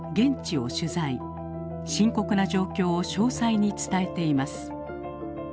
深刻な状況を詳細に伝えています。